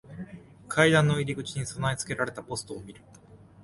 階段の入り口に備え付けられたポストを見る。